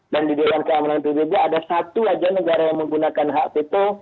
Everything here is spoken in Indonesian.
dan di dewan keamanan pbb ada satu saja negara yang menggunakan hak vito